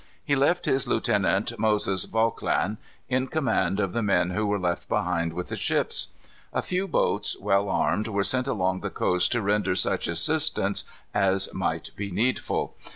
He left his lieutenant, Moses Vauclin, in command of the men who were left behind with the ships. A few boats, well armed, were sent along the coast to render such assistance as might be needful.